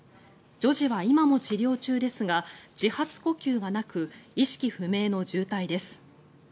女児は今も治療中ですが自発呼吸がなく意識不明の重体です。